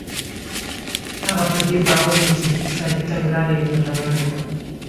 هغه په دې باور و چې اقتصادي تګلاره یې ګټوره ده.